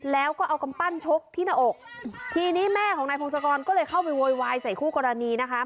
แล้วก็เอากำปั้นชกที่หน้าอกทีนี้แม่ของนายพงศกรก็เลยเข้าไปโวยวายใส่คู่กรณีนะคะ